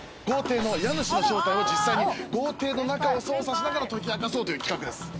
豪邸の家主の正体を実際に豪邸の中を捜査しながら解き明かそうという企画です。